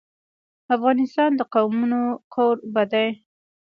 افغانستان د قومونه کوربه دی.